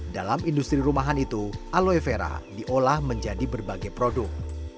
dalam industri rumahan itu aloe vera diolah menjadi berbagai produk